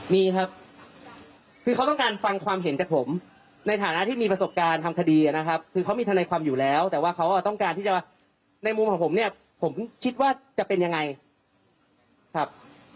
มีครับคือเขาต้องการฟังความเห็นจากผมในฐานะที่มีประสบการณ์ทำคดีนะครับคือเขามีทนายความอยู่แล้วแต่ว่าเขาต้องการที่จะว่าในมุมของผมเนี่ยผมคิดว่าจะเป็นยังไงครับ